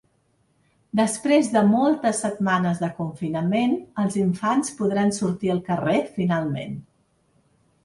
Després de moltes setmanes de confinament, els infants podran sortir al carrer, finalment.